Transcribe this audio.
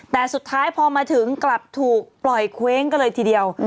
แต่สุดท้ายพอมาถึงกลับถูกปล่อยเคว้งกันเลยทีเดียว